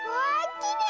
きれい！